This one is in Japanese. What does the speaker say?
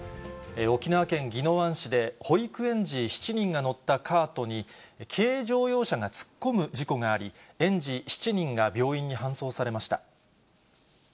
沖縄県宜野湾市で、保育園児７人が乗ったカートに軽乗用車が突っ込む事故があり、園児７人が病院に搬送されました。